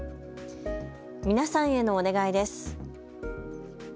皆さんへのお願いです。